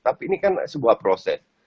tapi ini kan sebuah proses